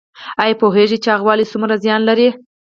ایا پوهیږئ چې چاغوالی څومره زیان لري؟